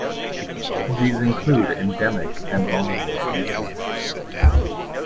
These include endemic and vulnerable species.